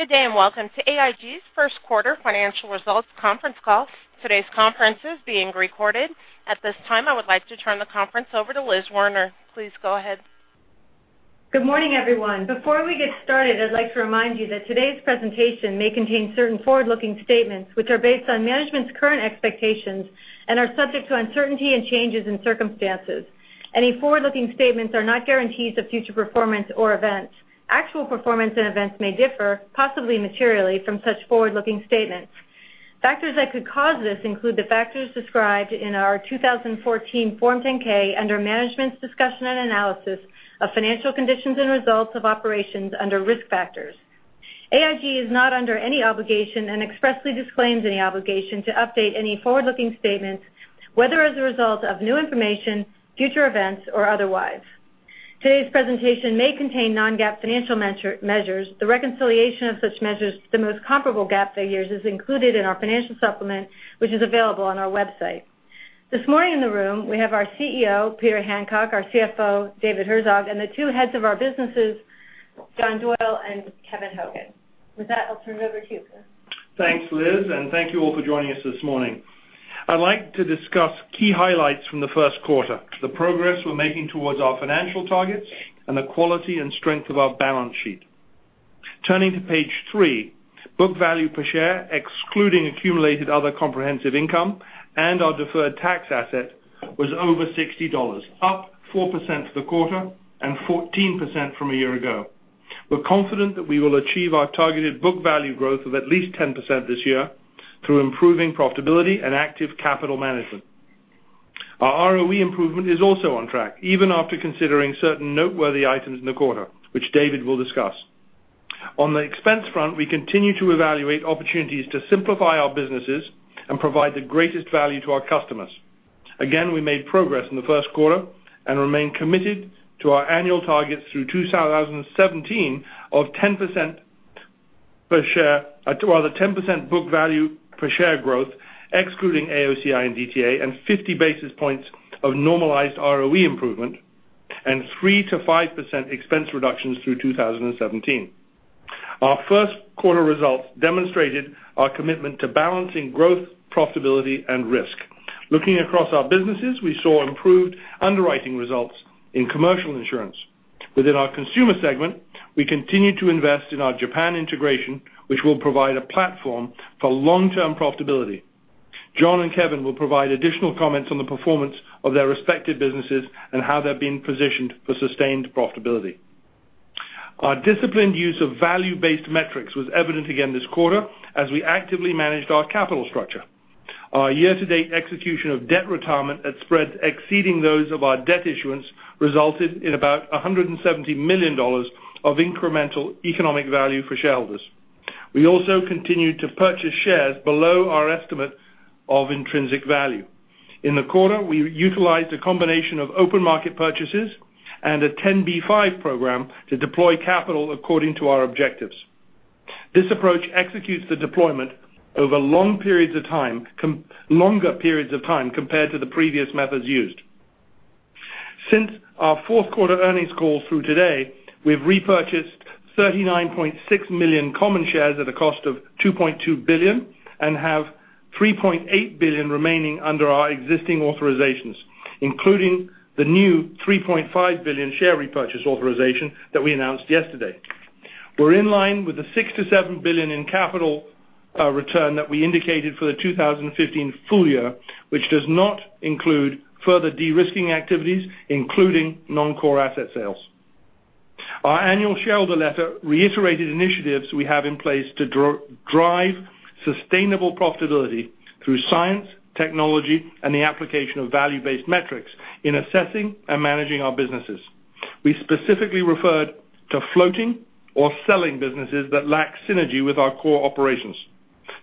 Good day, welcome to AIG's first quarter financial results conference call. Today's conference is being recorded. At this time, I would like to turn the conference over to Liz Werner. Please go ahead. Good morning, everyone. Before we get started, I'd like to remind you that today's presentation may contain certain forward-looking statements, which are based on management's current expectations and are subject to uncertainty and changes in circumstances. Any forward-looking statements are not guarantees of future performance or events. Actual performance and events may differ, possibly materially, from such forward-looking statements. Factors that could cause this include the factors described in our 2014 Form 10-K under Management's Discussion and Analysis of Financial Conditions and Results of Operations under Risk Factors. AIG is not under any obligation and expressly disclaims any obligation to update any forward-looking statements, whether as a result of new information, future events, or otherwise. Today's presentation may contain non-GAAP financial measures. The reconciliation of such measures to the most comparable GAAP figures is included in our financial supplement, which is available on our website. This morning in the room, we have our CEO, Peter Hancock, our CFO, David Herzog, and the two heads of our businesses, John Doyle and Kevin Hogan. With that, I'll turn it over to you, Peter. Thanks, Liz, and thank you all for joining us this morning. I'd like to discuss key highlights from the first quarter, the progress we're making towards our financial targets, and the quality and strength of our balance sheet. Turning to page three, book value per share, excluding accumulated other comprehensive income and our deferred tax asset, was over $60, up 4% for the quarter and 14% from a year ago. We're confident that we will achieve our targeted book value growth of at least 10% this year through improving profitability and active capital management. Our ROE improvement is also on track, even after considering certain noteworthy items in the quarter, which David will discuss. On the expense front, we continue to evaluate opportunities to simplify our businesses and provide the greatest value to our customers. We made progress in the first quarter and remain committed to our annual targets through 2017 of 10% book value per share growth, excluding AOCI and DTA, and 50 basis points of normalized ROE improvement, and 3%-5% expense reductions through 2017. Our first quarter results demonstrated our commitment to balancing growth, profitability, and risk. Looking across our businesses, we saw improved underwriting results in commercial insurance. Within our consumer segment, we continue to invest in our Japan integration, which will provide a platform for long-term profitability. John and Kevin will provide additional comments on the performance of their respective businesses and how they're being positioned for sustained profitability. Our disciplined use of value-based metrics was evident again this quarter as we actively managed our capital structure. Our year-to-date execution of debt retirement at spreads exceeding those of our debt issuance resulted in about $170 million of incremental economic value for shareholders. We also continued to purchase shares below our estimate of intrinsic value. In the quarter, we utilized a combination of open market purchases and a 10b5-1 program to deploy capital according to our objectives. This approach executes the deployment over longer periods of time compared to the previous methods used. Since our fourth quarter earnings call through today, we've repurchased 39.6 million common shares at a cost of $2.2 billion and have $3.8 billion remaining under our existing authorizations, including the new $3.5 billion share repurchase authorization that we announced yesterday. We're in line with the $67 billion in capital return that we indicated for the 2015 full year, which does not include further de-risking activities, including non-core asset sales. Our annual shareholder letter reiterated initiatives we have in place to drive sustainable profitability through science, technology, and the application of value-based metrics in assessing and managing our businesses. We specifically referred to floating or selling businesses that lack synergy with our core operations.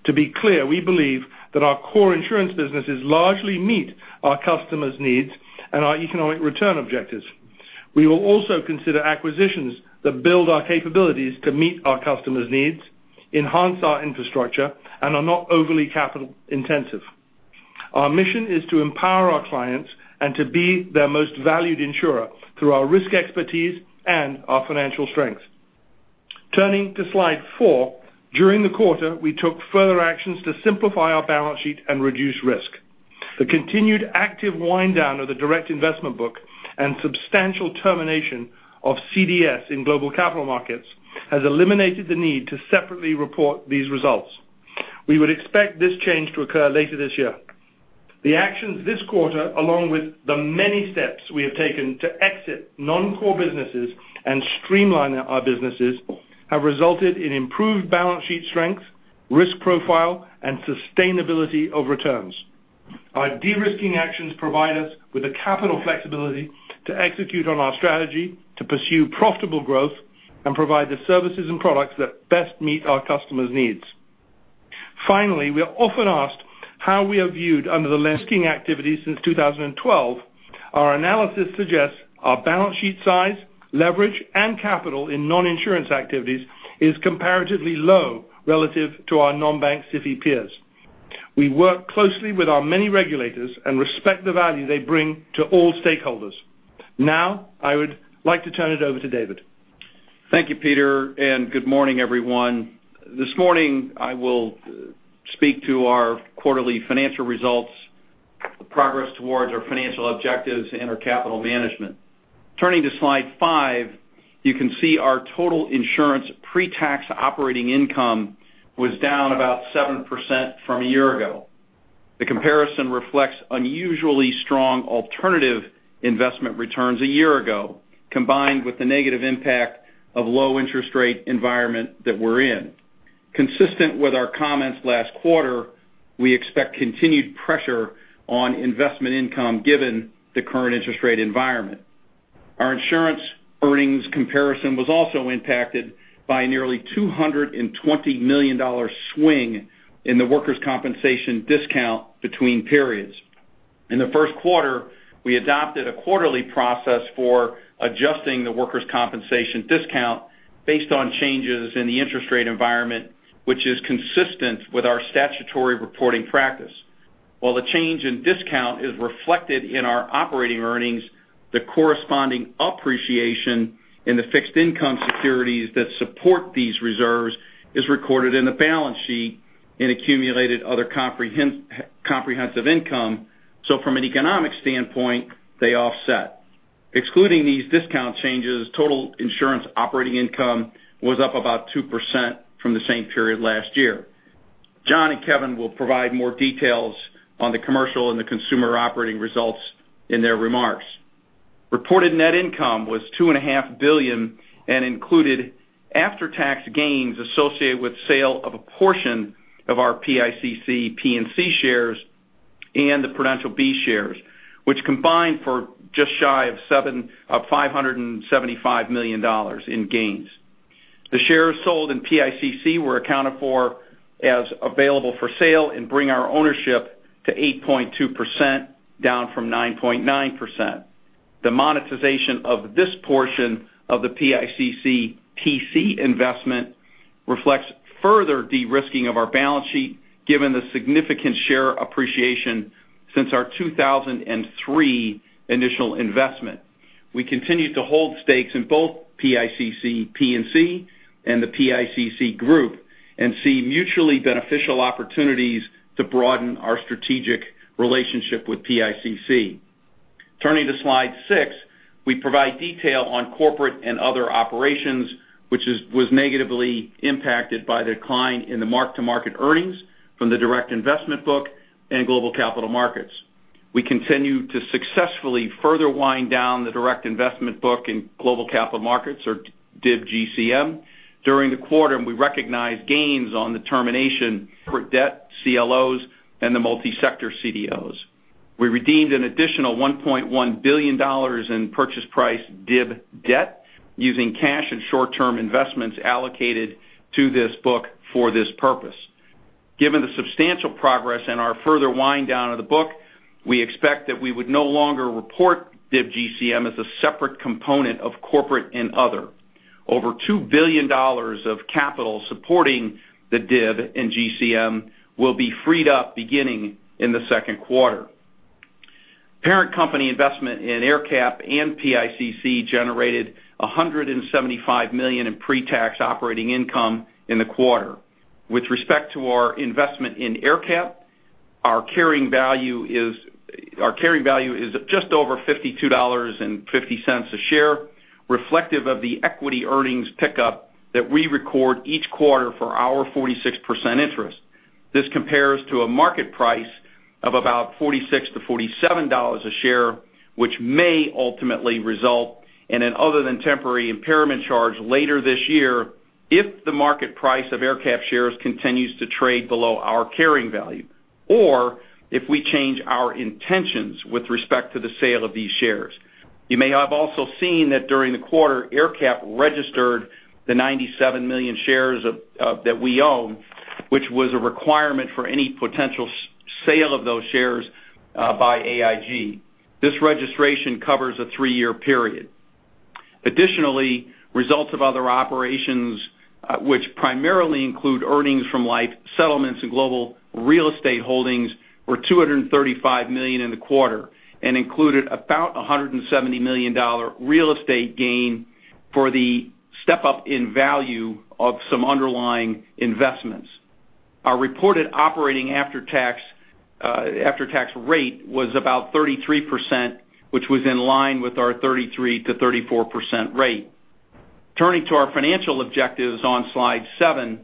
To be clear, we believe that our core insurance businesses largely meet our customers' needs and our economic return objectives. We will also consider acquisitions that build our capabilities to meet our customers' needs, enhance our infrastructure, and are not overly capital-intensive. Our mission is to empower our clients and to be their most valued insurer through our risk expertise and our financial strength. Turning to slide four. During the quarter, we took further actions to simplify our balance sheet and reduce risk. The continued active wind down of the direct investment book and substantial termination of CDS in global capital markets has eliminated the need to separately report these results. We would expect this change to occur later this year. The actions this quarter, along with the many steps we have taken to exit non-core businesses and streamline our businesses, have resulted in improved balance sheet strength, risk profile, and sustainability of returns. Our de-risking actions provide us with the capital flexibility to execute on our strategy to pursue profitable growth and provide the services and products that best meet our customers' needs. We are often asked how we are viewed under the lending activities since 2012. Our analysis suggests our balance sheet size, leverage, and capital in non-insurance activities is comparatively low relative to our non-bank SIFI peers. We work closely with our many regulators and respect the value they bring to all stakeholders. I would like to turn it over to David. Thank you, Peter, good morning, everyone. This morning, I will speak to our quarterly financial results, the progress towards our financial objectives, and our capital management. Turning to slide five, you can see our total insurance pre-tax operating income was down about 7% from a year ago. The comparison reflects unusually strong alternative investment returns a year ago, combined with the negative impact of low interest rate environment that we're in. Consistent with our comments last quarter, we expect continued pressure on investment income given the current interest rate environment. Our insurance earnings comparison was also impacted by nearly $220 million swing in the workers' compensation discount between periods. In the first quarter, we adopted a quarterly process for adjusting the workers' compensation discount based on changes in the interest rate environment, which is consistent with our statutory reporting practice. While the change in discount is reflected in our operating earnings, the corresponding appreciation in the fixed income securities that support these reserves is recorded in the balance sheet in accumulated other comprehensive income. From an economic standpoint, they offset. Excluding these discount changes, total insurance operating income was up about 2% from the same period last year. John and Kevin will provide more details on the commercial and the consumer operating results in their remarks. Reported net income was $2.5 billion and included after-tax gains associated with sale of a portion of our PICC P&C shares and the Prudential B shares, which combined for just shy of $575 million in gains. The shares sold in PICC were accounted for as available for sale and bring our ownership to 8.2%, down from 9.9%. The monetization of this portion of the PICC P&C investment reflects further de-risking of our balance sheet, given the significant share appreciation since our 2003 initial investment. We continue to hold stakes in both PICC P&C and the PICC Group, see mutually beneficial opportunities to broaden our strategic relationship with PICC. Turning to slide six, we provide detail on corporate and other operations, which was negatively impacted by the decline in the mark-to-market earnings from the direct investment book and global capital markets. We continue to successfully further wind down the direct investment book in global capital markets or DIB-GCM during the quarter, we recognized gains on the termination for debt CLOs and the multi-sector CDOs. We redeemed an additional $1.1 billion in purchase price DIB debt using cash and short-term investments allocated to this book for this purpose. Given the substantial progress and our further wind down of the book, we expect that we would no longer report DIB-GCM as a separate component of corporate and other. Over $2 billion of capital supporting the DIB and GCM will be freed up beginning in the second quarter. Parent company investment in AerCap and PICC generated $175 million in pre-tax operating income in the quarter. With respect to our investment in AerCap, our carrying value is just over $52.50 a share, reflective of the equity earnings pickup that we record each quarter for our 46% interest. This compares to a market price of about $46-$47 a share, which may ultimately result in an other-than-temporary impairment charge later this year if the market price of AerCap shares continues to trade below our carrying value, or if we change our intentions with respect to the sale of these shares. You may have also seen that during the quarter, AerCap registered the 97 million shares that we own, which was a requirement for any potential sale of those shares by AIG. This registration covers a three-year period. Additionally, results of other operations, which primarily include earnings from life settlements and global real estate holdings, were $235 million in the quarter, and included about $170 million real estate gain for the step-up in value of some underlying investments. Our reported operating after-tax rate was about 33%, which was in line with our 33%-34% rate. Turning to our financial objectives on slide seven,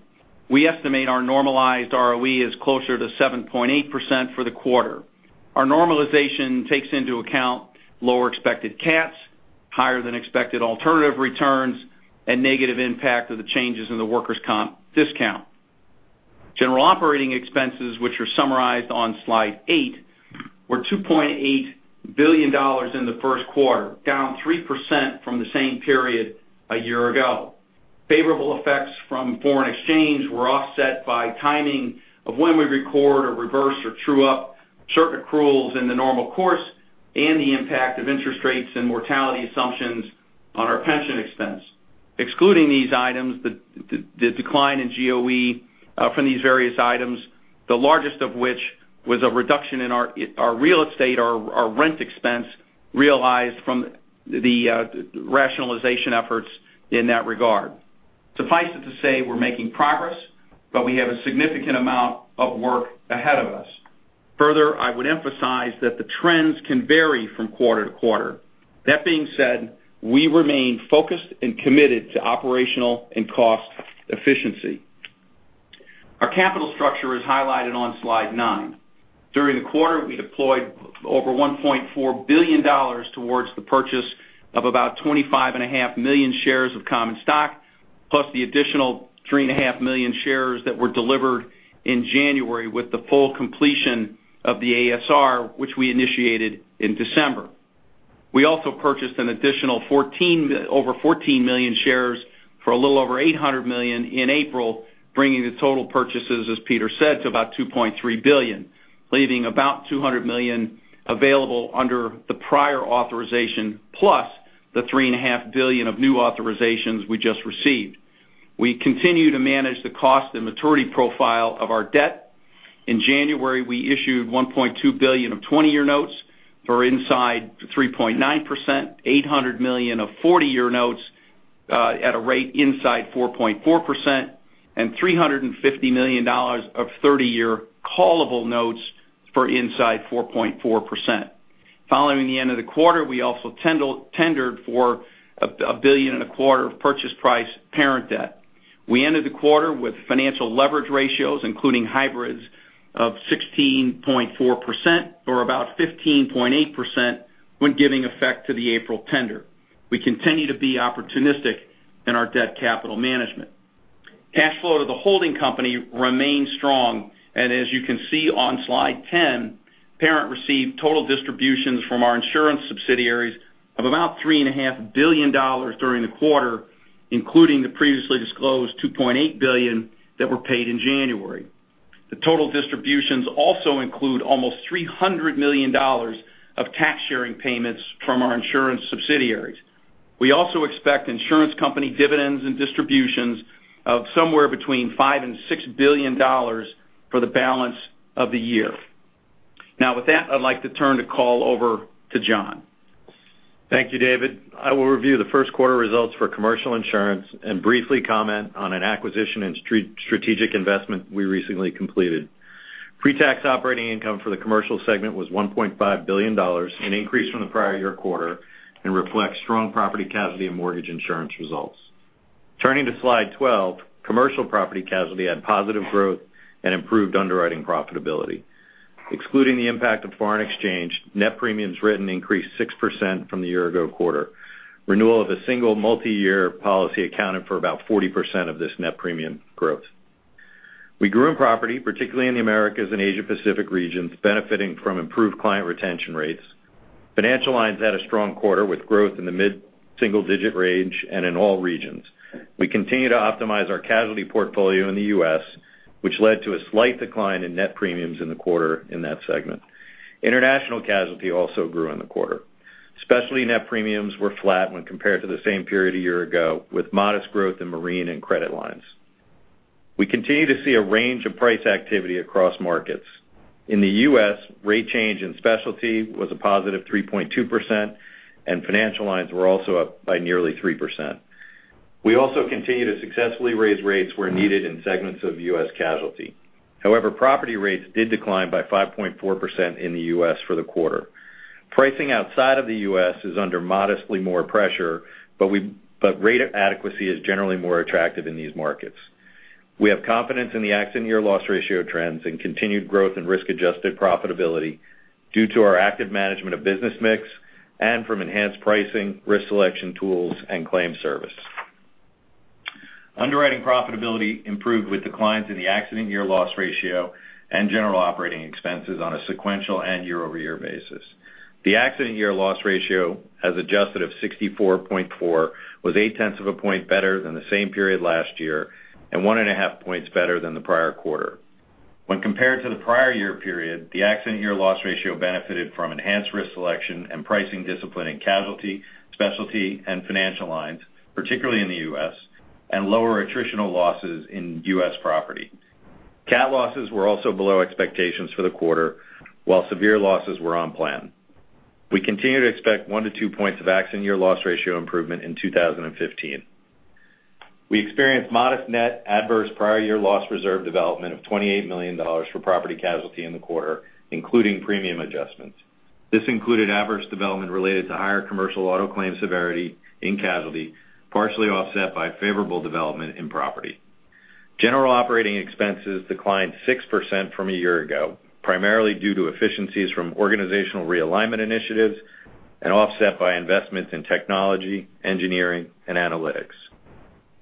we estimate our normalized ROE is closer to 7.8% for the quarter. Our normalization takes into account lower expected CATs, higher-than-expected alternative returns, and negative impact of the changes in the workers' comp discount. General operating expenses, which are summarized on slide eight, were $2.8 billion in the first quarter, down 3% from the same period a year ago. Favorable effects from foreign exchange were offset by timing of when we record or reverse or true up certain accruals in the normal course and the impact of interest rates and mortality assumptions on our pension expense. Excluding these items, the decline in GOE from these various items, the largest of which was a reduction in our real estate, our rent expense realized from the rationalization efforts in that regard. Suffice it to say we're making progress, but we have a significant amount of work ahead of us. I would emphasize that the trends can vary from quarter to quarter. That being said, we remain focused and committed to operational and cost efficiency. Our capital structure is highlighted on slide 9. During the quarter, we deployed over $1.4 billion towards the purchase of about 25.5 million shares of common stock, plus the additional 3.5 million shares that were delivered in January with the full completion of the ASR, which we initiated in December. We also purchased an additional over 14 million shares for a little over $800 million in April, bringing the total purchases, as Peter said, to about $2.3 billion, leaving about $200 million available under the prior authorization, plus the $3.5 billion of new authorizations we just received. We continue to manage the cost and maturity profile of our debt. In January, we issued $1.2 billion of 20-year notes for inside 3.9%, $800 million of 40-year notes at a rate inside 4.4%, and $350 million of 30-year callable notes for inside 4.4%. Following the end of the quarter, we also tendered for a billion and a quarter of purchase price parent debt. We ended the quarter with financial leverage ratios, including hybrids, of 16.4%, or about 15.8% when giving effect to the April tender. We continue to be opportunistic in our debt capital management. Cash flow to the holding company remains strong, and as you can see on slide 10, parent received total distributions from our insurance subsidiaries of about $3.5 billion during the quarter, including the previously disclosed $2.8 billion that were paid in January. The total distributions also include almost $300 million of tax sharing payments from our insurance subsidiaries. We also expect insurance company dividends and distributions of somewhere between $5 billion and $6 billion for the balance of the year. With that, I'd like to turn the call over to John. Thank you, David. I will review the first quarter results for Commercial Insurance and briefly comment on an acquisition and strategic investment we recently completed. Pre-tax operating income for the Commercial segment was $1.5 billion, an increase from the prior year quarter and reflects strong property casualty and mortgage insurance results. Turning to slide 12, commercial property casualty had positive growth and improved underwriting profitability. Excluding the impact of foreign exchange, net premiums written increased 6% from the year ago quarter. Renewal of a single multi-year policy accounted for about 40% of this net premium growth. We grew in property, particularly in the Americas and Asia Pacific regions, benefiting from improved client retention rates. Financial lines had a strong quarter, with growth in the mid-single digit range and in all regions. We continue to optimize our casualty portfolio in the U.S., which led to a slight decline in net premiums in the quarter in that segment. International casualty also grew in the quarter. Specialty net premiums were flat when compared to the same period a year ago, with modest growth in marine and credit lines. We continue to see a range of price activity across markets. In the U.S., rate change in specialty was a positive 3.2%, and financial lines were also up by nearly 3%. We also continue to successfully raise rates where needed in segments of U.S. casualty. However, property rates did decline by 5.4% in the U.S. for the quarter. Pricing outside of the U.S. is under modestly more pressure, but rate adequacy is generally more attractive in these markets. We have confidence in the accident year loss ratio trends and continued growth in risk-adjusted profitability due to our active management of business mix and from enhanced pricing, risk selection tools, and claim service. Underwriting profitability improved with declines in the accident year loss ratio and general operating expenses on a sequential and year-over-year basis. The accident year loss ratio, as adjusted of 64.4, was eight tenths of a point better than the same period last year and one and a half points better than the prior quarter. When compared to the prior year period, the accident year loss ratio benefited from enhanced risk selection and pricing discipline in casualty, specialty, and financial lines, particularly in the U.S., and lower attritional losses in U.S. property. Cat losses were also below expectations for the quarter, while severe losses were on plan. We continue to expect one to two points of accident year loss ratio improvement in 2015. We experienced modest net adverse prior year loss reserve development of $28 million for Property Casualty in the quarter, including premium adjustments. This included adverse development related to higher commercial auto claim severity in casualty, partially offset by favorable development in property. General operating expenses declined 6% from a year ago, primarily due to efficiencies from organizational realignment initiatives and offset by investments in technology, engineering, and analytics.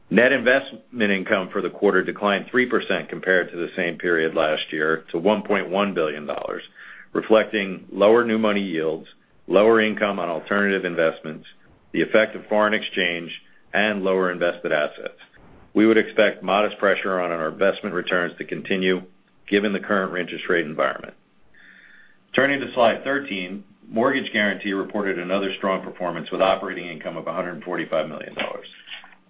Net investment income for the quarter declined 3% compared to the same period last year to $1.1 billion, reflecting lower new money yields, lower income on alternative investments, the effect of foreign exchange, and lower invested assets. We would expect modest pressure on our investment returns to continue given the current interest rate environment. Turning to slide 13, mortgage guarantee reported another strong performance with operating income of $145 million.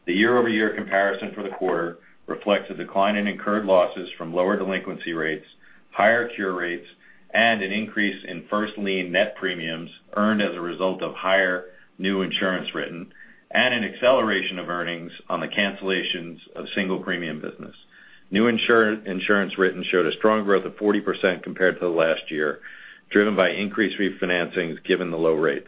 The year-over-year comparison for the quarter reflects a decline in incurred losses from lower delinquency rates, higher cure rates, and an increase in first lien net premiums earned as a result of higher new insurance written and an acceleration of earnings on the cancellations of single premium business. New insurance written showed a strong growth of 40% compared to last year, driven by increased refinancings given the low rates.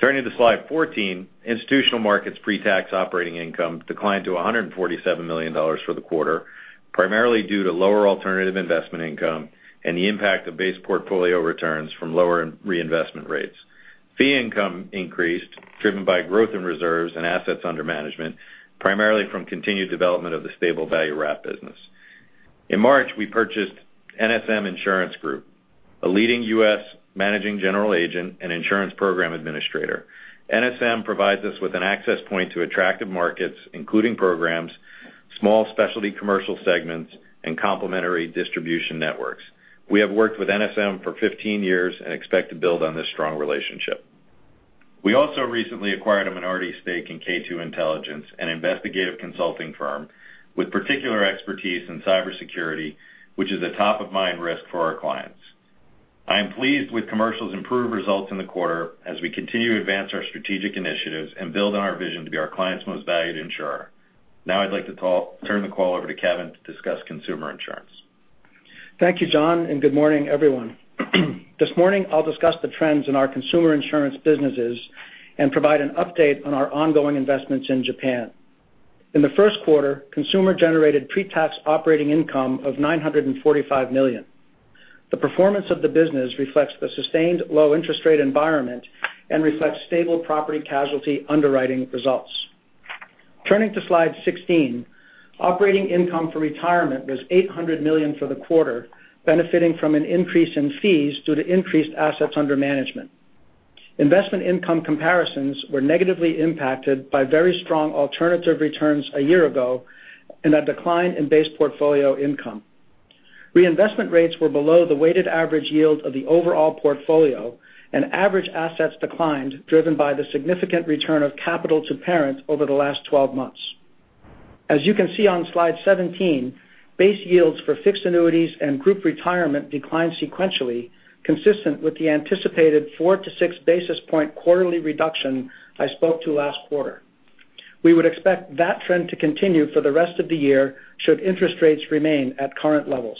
Turning to slide 14, institutional markets' pretax operating income declined to $147 million for the quarter, primarily due to lower alternative investment income and the impact of base portfolio returns from lower reinvestment rates. Fee income increased, driven by growth in reserves and assets under management, primarily from continued development of the stable value wrap business. In March, we purchased NSM Insurance Group, a leading U.S. managing general agent and insurance program administrator. NSM provides us with an access point to attractive markets, including programs, small specialty commercial segments, and complementary distribution networks. We have worked with NSM for 15 years and expect to build on this strong relationship. We also recently acquired a minority stake in K2 Intelligence, an investigative consulting firm with particular expertise in cybersecurity, which is a top-of-mind risk for our clients. I am pleased with Commercial's improved results in the quarter as we continue to advance our strategic initiatives and build on our vision to be our clients' most valued insurer. I'd like to turn the call over to Kevin to discuss Consumer Insurance. Thank you, John. Good morning, everyone. This morning I'll discuss the trends in our Consumer Insurance businesses and provide an update on our ongoing investments in Japan. In the first quarter, consumer generated pretax operating income of $945 million. The performance of the business reflects the sustained low interest rate environment and reflects stable Property Casualty underwriting results. Turning to slide 16, operating income for Retirement was $800 million for the quarter, benefiting from an increase in fees due to increased assets under management. Investment income comparisons were negatively impacted by very strong alternative returns a year ago and a decline in base portfolio income. Reinvestment rates were below the weighted average yield of the overall portfolio, and average assets declined, driven by the significant return of capital to parent over the last 12 months. As you can see on slide 17, base yields for fixed annuities and group retirement declined sequentially, consistent with the anticipated four to six basis point quarterly reduction I spoke to last quarter. We would expect that trend to continue for the rest of the year should interest rates remain at current levels.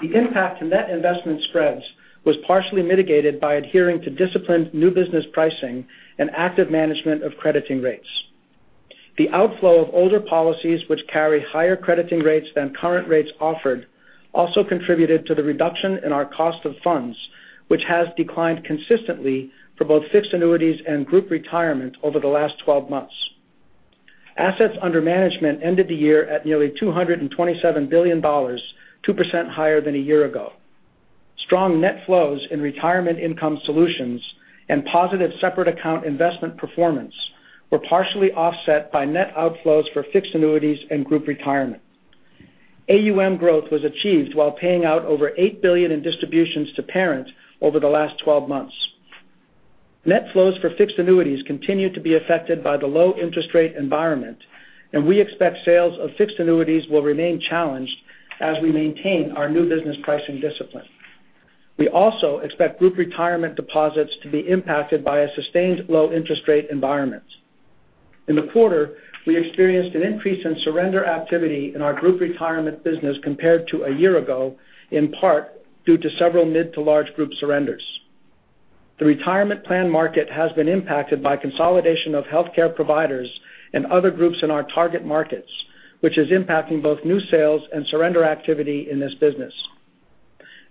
The impact to net investment spreads was partially mitigated by adhering to disciplined new business pricing and active management of crediting rates. The outflow of older policies which carry higher crediting rates than current rates offered also contributed to the reduction in our cost of funds, which has declined consistently for both fixed annuities and group retirement over the last 12 months. Assets under management ended the year at nearly $227 billion, 2% higher than a year ago. Strong net flows in retirement income solutions and positive separate account investment performance were partially offset by net outflows for fixed annuities and group retirement. AUM growth was achieved while paying out over $8 billion in distributions to parents over the last 12 months. Net flows for fixed annuities continue to be affected by the low interest rate environment. We expect sales of fixed annuities will remain challenged as we maintain our new business pricing discipline. We also expect group retirement deposits to be impacted by a sustained low interest rate environment. In the quarter, we experienced an increase in surrender activity in our group retirement business compared to a year ago, in part due to several mid to large group surrenders. The retirement plan market has been impacted by consolidation of healthcare providers and other groups in our target markets, which is impacting both new sales and surrender activity in this business.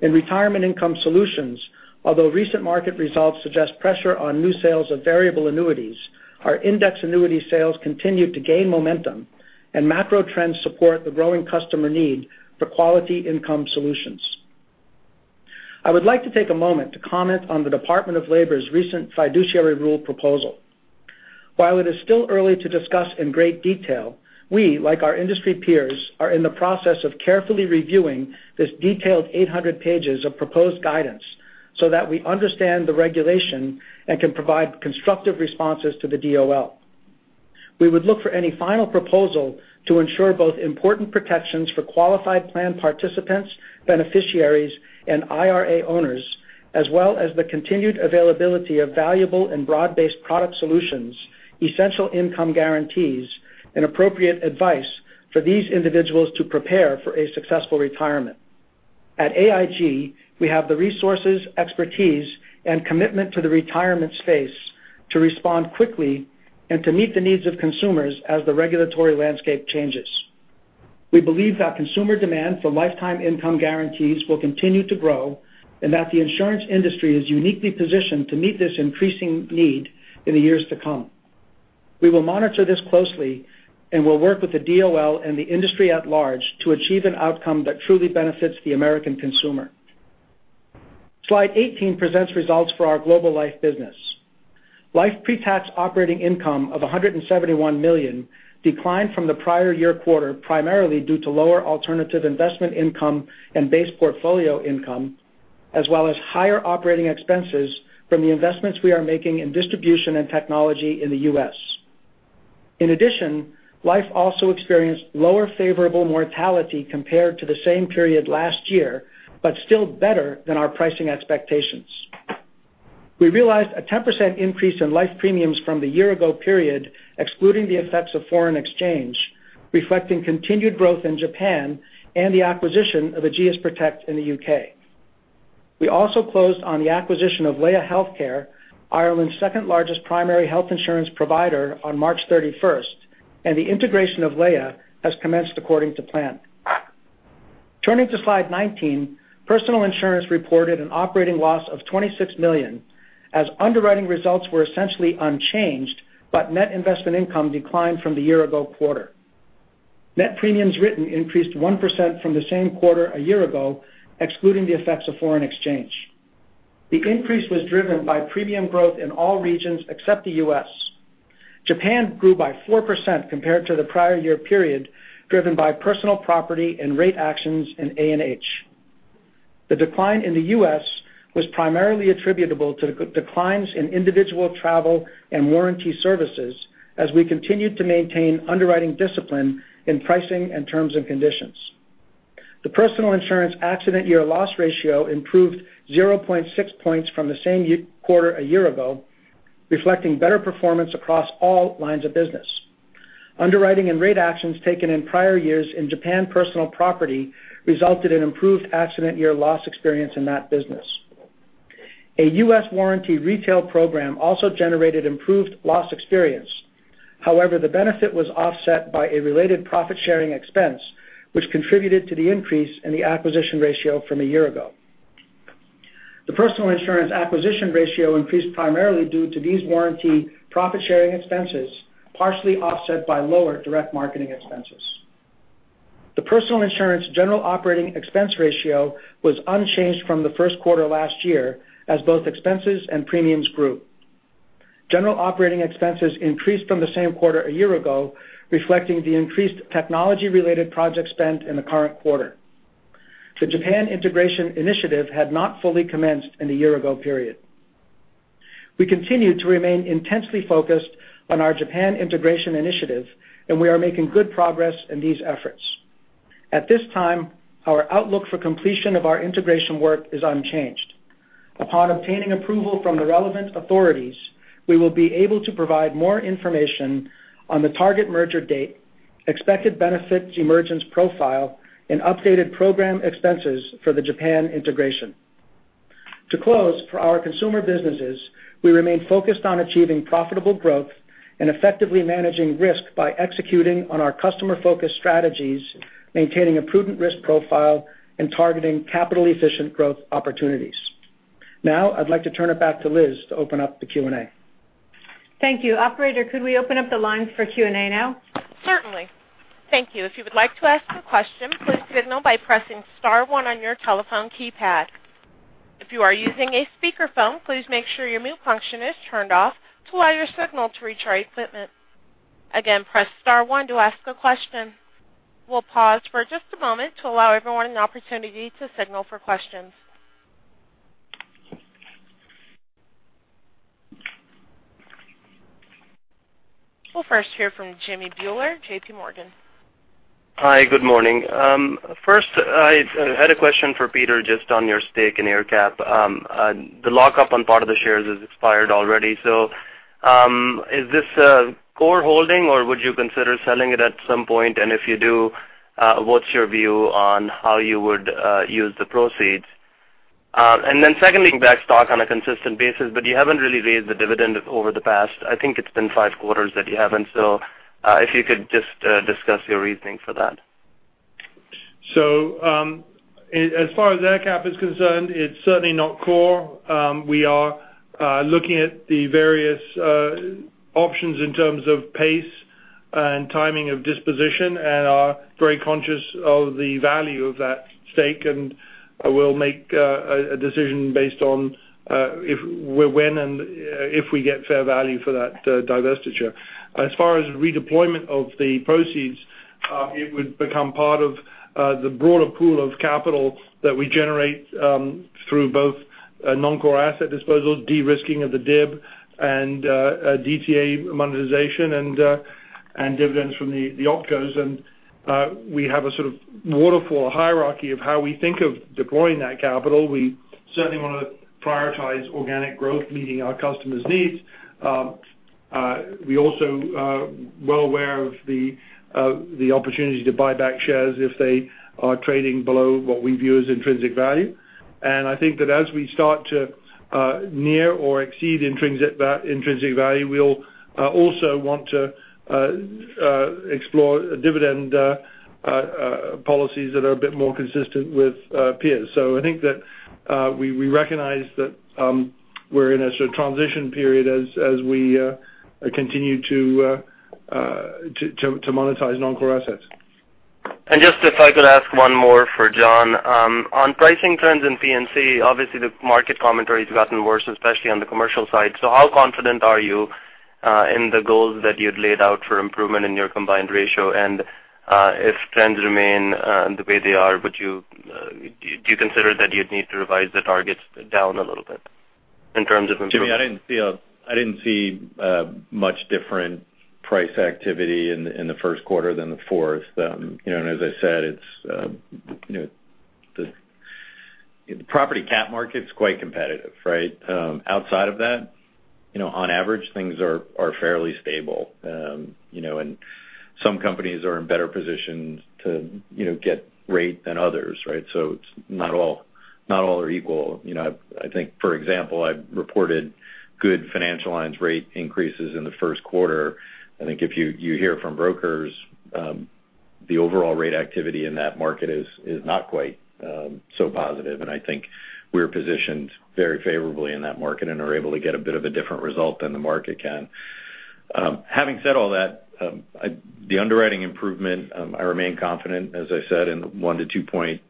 In retirement income solutions, although recent market results suggest pressure on new sales of variable annuities, our index annuity sales continue to gain momentum and macro trends support the growing customer need for quality income solutions. I would like to take a moment to comment on the Department of Labor's recent fiduciary rule proposal. While it is still early to discuss in great detail, we, like our industry peers, are in the process of carefully reviewing this detailed 800 pages of proposed guidance so that we understand the regulation and can provide constructive responses to the DOL. We would look for any final proposal to ensure both important protections for qualified plan participants, beneficiaries, and IRA owners as well as the continued availability of valuable and broad-based product solutions, essential income guarantees, and appropriate advice for these individuals to prepare for a successful retirement. At AIG, we have the resources, expertise, and commitment to the retirement space to respond quickly and to meet the needs of consumers as the regulatory landscape changes. We believe that consumer demand for lifetime income guarantees will continue to grow and that the insurance industry is uniquely positioned to meet this increasing need in the years to come. We will monitor this closely and will work with the DOL and the industry at large to achieve an outcome that truly benefits the American consumer. Slide 18 presents results for our global life business. Life pre-tax operating income of $171 million declined from the prior year quarter, primarily due to lower alternative investment income and base portfolio income, as well as higher operating expenses from the investments we are making in distribution and technology in the U.S. In addition, Life also experienced lower favorable mortality compared to the same period last year, but still better than our pricing expectations. We realized a 10% increase in Life premiums from the year-ago period, excluding the effects of foreign exchange, reflecting continued growth in Japan and the acquisition of Ageas Protect in the U.K. We also closed on the acquisition of Laya Healthcare, Ireland's second-largest primary health insurance provider, on March 31st, and the integration of Laya has commenced according to plan. Turning to slide 19, Personal Insurance reported an operating loss of $26 million, as underwriting results were essentially unchanged, but net investment income declined from the year-ago quarter. Net premiums written increased 1% from the same quarter a year ago, excluding the effects of foreign exchange. The increase was driven by premium growth in all regions except the U.S. Japan grew by 4% compared to the prior year period, driven by personal property and rate actions in A&H. The decline in the U.S. was primarily attributable to declines in individual travel and warranty services, as we continued to maintain underwriting discipline in pricing and terms and conditions. The Personal Insurance accident year loss ratio improved 0.6 points from the same quarter a year ago, reflecting better performance across all lines of business. Underwriting and rate actions taken in prior years in Japan personal property resulted in improved accident year loss experience in that business. A U.S. warranty retail program also generated improved loss experience. However, the benefit was offset by a related profit-sharing expense, which contributed to the increase in the acquisition ratio from a year ago. The Personal Insurance acquisition ratio increased primarily due to these warranty profit-sharing expenses, partially offset by lower direct marketing expenses. The Personal Insurance general operating expense ratio was unchanged from the first quarter last year as both expenses and premiums grew. General operating expenses increased from the same quarter a year ago, reflecting the increased technology-related project spend in the current quarter. The Japan integration initiative had not fully commenced in the year-ago period. We continue to remain intensely focused on our Japan integration initiative, and we are making good progress in these efforts. At this time, our outlook for completion of our integration work is unchanged. Upon obtaining approval from the relevant authorities, we will be able to provide more information on the target merger date, expected benefits emergence profile, and updated program expenses for the Japan integration. To close, for our consumer businesses, we remain focused on achieving profitable growth and effectively managing risk by executing on our customer-focused strategies, maintaining a prudent risk profile, and targeting capital-efficient growth opportunities. I'd like to turn it back to Liz to open up the Q&A. Thank you. Operator, could we open up the line for Q&A now? Certainly. Thank you. If you would like to ask a question, please signal by pressing *1 on your telephone keypad. If you are using a speakerphone, please make sure your mute function is turned off to allow your signal to reach our equipment. Again, press *1 to ask a question. We'll pause for just a moment to allow everyone an opportunity to signal for questions. We'll first hear from Jimmy Bhullar, JP Morgan. Hi. Good morning. First, I had a question for Peter just on your stake in AerCap. The lockup on part of the shares has expired already. Is this a core holding, or would you consider selling it at some point? If you do, what's your view on how you would use the proceeds? Secondly, back stock on a consistent basis, but you haven't really raised the dividend over the past, I think it's been five quarters that you haven't. If you could just discuss your reasoning for that. As far as AerCap is concerned, it's certainly not core. We are looking at the various options in terms of pace and timing of disposition and are very conscious of the value of that stake, and we'll make a decision based on when and if we get fair value for that divestiture. As far as redeployment of the proceeds, it would become part of the broader pool of capital that we generate through both non-core asset disposals, de-risking of the DIB and DTA monetization and dividends from the opcos. We have a sort of waterfall hierarchy of how we think of deploying that capital. We certainly want to prioritize organic growth, meeting our customers' needs. We also are well aware of the opportunity to buy back shares if they are trading below what we view as intrinsic value. I think that as we start to near or exceed intrinsic value, we'll also want to explore dividend policies that are a bit more consistent with peers. I think that we recognize that we're in a sort of transition period as we continue to monetize non-core assets. Just if I could ask one more for John. On pricing trends in P&C, obviously the market commentary has gotten worse, especially on the commercial side. How confident are you in the goals that you'd laid out for improvement in your combined ratio? If trends remain the way they are, do you consider that you'd need to revise the targets down a little bit in terms of improvement? Jimmy, I didn't see much different price activity in the first quarter than the fourth. As I said, the property CAT market's quite competitive, right? Outside of that, on average, things are fairly stable. Some companies are in better positions to get rate than others, right? Not all are equal. I think, for example, I've reported good financial lines rate increases in the first quarter. I think if you hear from brokers, the overall rate activity in that market is not quite so positive. I think we're positioned very favorably in that market and are able to get a bit of a different result than the market can. Having said all that, the underwriting improvement, I remain confident, as I said, in the one to two-point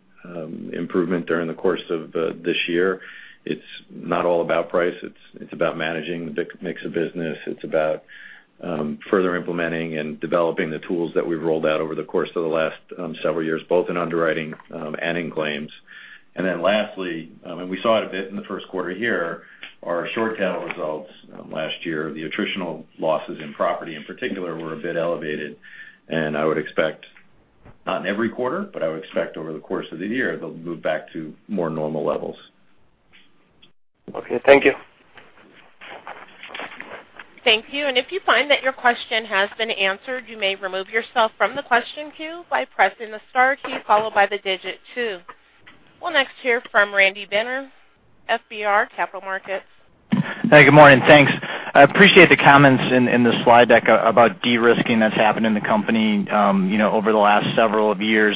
improvement during the course of this year. It's not all about price, it's about managing the mix of business. It's about further implementing and developing the tools that we've rolled out over the course of the last several years, both in underwriting and in claims. Lastly, we saw it a bit in the first quarter here, our short tail results last year, the attritional losses in property in particular were a bit elevated, I would expect, not in every quarter, but I would expect over the course of the year, they'll move back to more normal levels. Okay. Thank you. Thank you. If you find that your question has been answered, you may remove yourself from the question queue by pressing the star key followed by the digit 2. We'll next hear from Randy Binner, FBR Capital Markets. Hey, good morning. Thanks. I appreciate the comments in the slide deck about de-risking that's happened in the company over the last several years.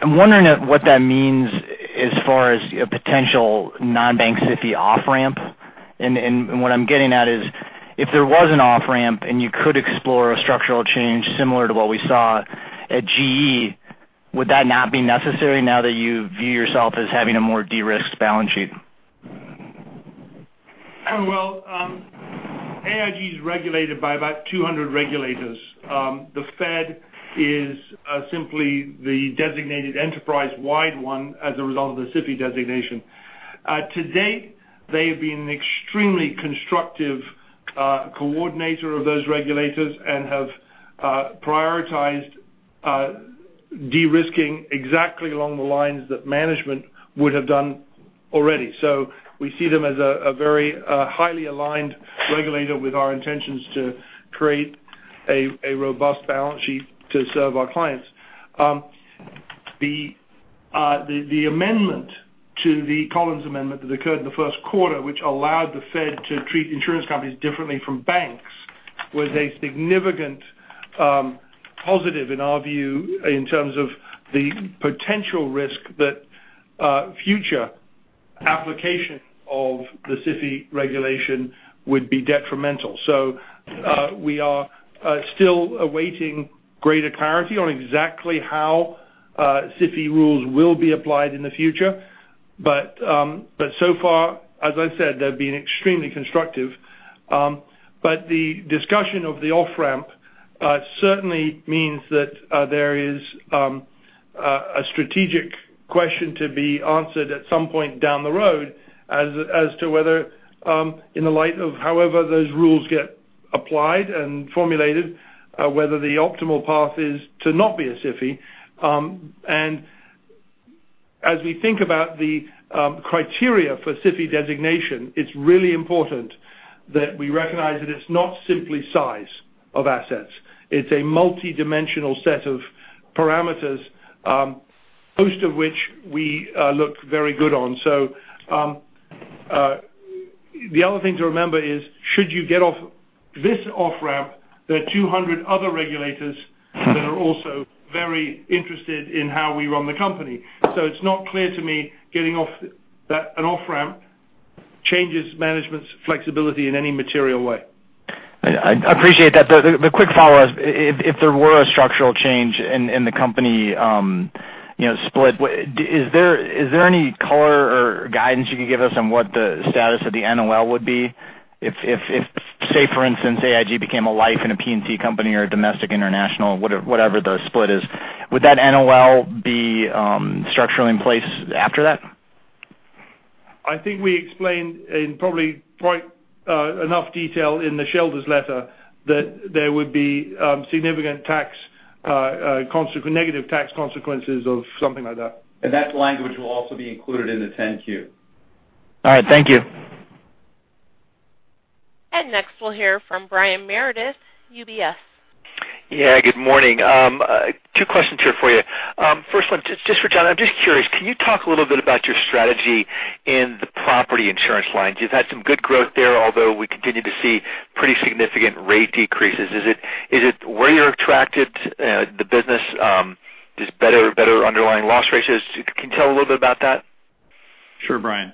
I'm wondering what that means as far as a potential non-bank SIFI off-ramp. What I'm getting at is if there was an off-ramp and you could explore a structural change similar to what we saw at GE, would that not be necessary now that you view yourself as having a more de-risked balance sheet? Well, AIG is regulated by about 200 regulators. The Fed is simply the designated enterprise-wide one as a result of the SIFI designation. To date, they have been an extremely constructive coordinator of those regulators and have prioritized de-risking exactly along the lines that management would have done already. We see them as a very highly aligned regulator with our intentions to create a robust balance sheet to serve our clients. The amendment to the Collins Amendment that occurred in the first quarter, which allowed the Fed to treat insurance companies differently from banks, was a significant positive in our view in terms of the potential risk that future application of the SIFI regulation would be detrimental. So far, as I said, they've been extremely constructive. The discussion of the off-ramp certainly means that there is a strategic question to be answered at some point down the road as to whether, in the light of however those rules get applied and formulated, whether the optimal path is to not be a SIFI. As we think about the criteria for SIFI designation, it's really important that we recognize that it's not simply size of assets. It's a multidimensional set of parameters, most of which we look very good on. The other thing to remember is, should you get off this off-ramp, there are 200 other regulators that are also very interested in how we run the company. It's not clear to me getting off an off-ramp changes management's flexibility in any material way. I appreciate that. The quick follow-up, if there were a structural change and the company split, is there any color or guidance you could give us on what the status of the NOL would be? If, say, for instance, AIG became a Life and a P&C company or a domestic international, whatever the split is, would that NOL be structurally in place after that? I think we explained in probably quite enough detail in the shareholders letter that there would be significant negative tax consequences of something like that. That language will also be included in the 10-Q. All right. Thank you. Next we'll hear from Brian Meredith, UBS. Good morning. Two questions here for you. First one, just for John. I'm just curious, can you talk a little bit about your strategy in the property insurance lines? You've had some good growth there, although we continue to see pretty significant rate decreases. Is it where you're attracted the business? Just better underlying loss ratios? Can you tell a little bit about that? Sure, Brian.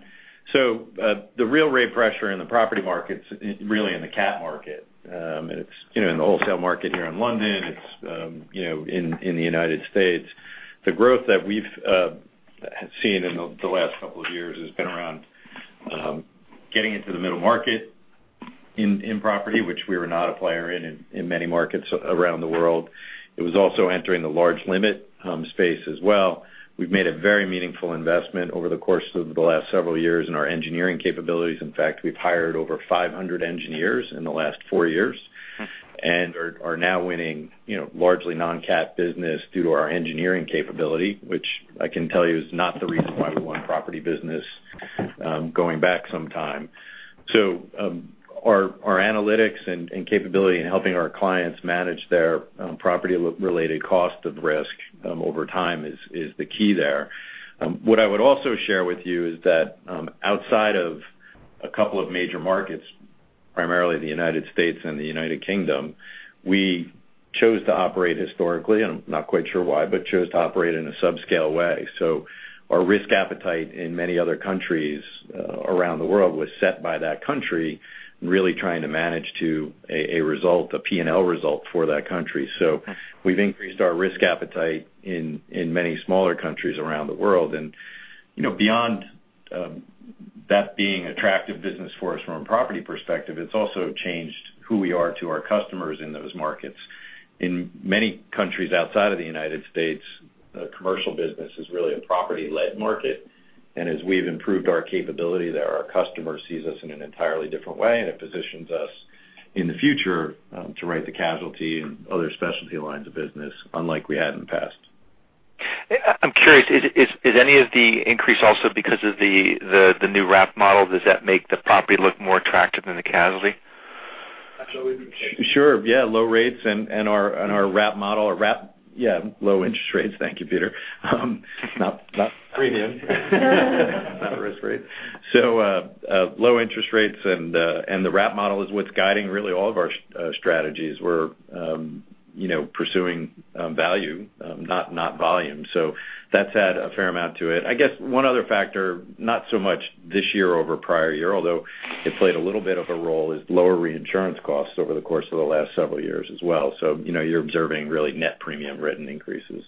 The real rate pressure in the property market's really in the CAT market. It's in the wholesale market here in London. It's in the U.S. The growth that we've seen in the last couple of years has been around getting into the middle market in property, which we were not a player in many markets around the world. It was also entering the large limit space as well. We've made a very meaningful investment over the course of the last several years in our engineering capabilities. In fact, we've hired over 500 engineers in the last four years. Are now winning largely non-CAT business due to our engineering capability, which I can tell you is not the reason why we won property business going back some time. Our analytics and capability in helping our clients manage their property-related cost of risk over time is the key there. What I would also share with you is that outside of a couple of major markets, primarily the U.S. and the U.K., we chose to operate historically, and I'm not quite sure why, but chose to operate in a subscale way. Our risk appetite in many other countries around the world was set by that country, really trying to manage to a P&L result for that country. We've increased our risk appetite in many smaller countries around the world. Beyond that being attractive business for us from a property perspective, it's also changed who we are to our customers in those markets. In many countries outside of the U.S., commercial business is really a property-led market. As we've improved our capability there, our customer sees us in an entirely different way, and it positions us in the future to write the casualty and other specialty lines of business, unlike we had in the past. I'm curious, is any of the increase also because of the new RAP model? Does that make the property look more attractive than the casualty? Sure. Yeah. Low rates and our RAP model or low interest rates. Thank you, Peter. Not premium. Not risk rates. Low interest rates and the RAP model is what's guiding really all of our strategies. We're pursuing value, not volume. That's added a fair amount to it. I guess one other factor, not so much this year over prior year, although it played a little bit of a role, is lower reinsurance costs over the course of the last several years as well. You're observing really net premium written increases.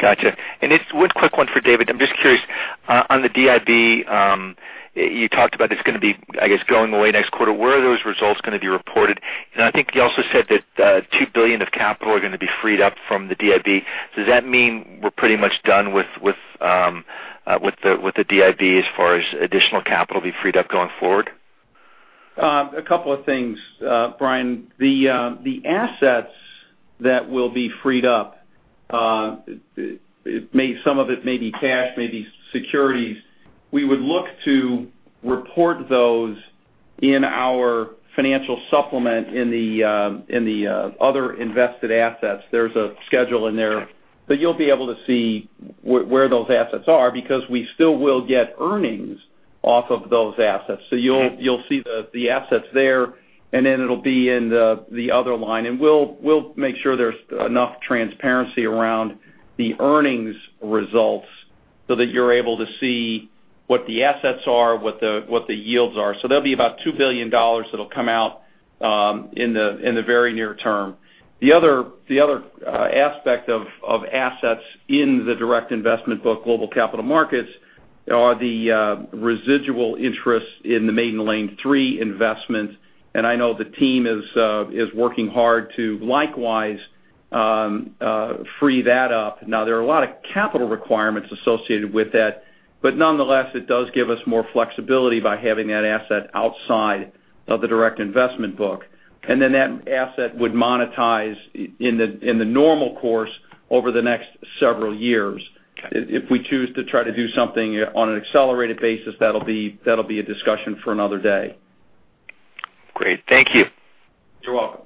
Just one quick one for David. I'm just curious, on the DIB, you talked about it's going to be, I guess, going away next quarter. Where are those results going to be reported? I think you also said that $2 billion of capital are going to be freed up from the DIB. Does that mean we're pretty much done with the DIB as far as additional capital be freed up going forward? A couple of things, Brian. The assets that will be freed up, some of it may be cash, may be securities. We would look to report those in our Financial Supplement in the other invested assets. There's a schedule in there. Okay. You'll be able to see where those assets are because we still will get earnings off of those assets. Okay. You'll see the assets there, and then it'll be in the other line, and we'll make sure there's enough transparency around the earnings results so that you're able to see what the assets are, what the yields are. That'll be about $2 billion that'll come out in the very near term. The other aspect of assets in the Direct Investment Book, Global Capital Markets, are the residual interest in the Maiden Lane III investment, and I know the team is working hard to likewise free that up. There are a lot of capital requirements associated with that, but nonetheless, it does give us more flexibility by having that asset outside of the Direct Investment Book. Then that asset would monetize in the normal course over the next several years. Okay. If we choose to try to do something on an accelerated basis, that'll be a discussion for another day. Great. Thank you. You're welcome.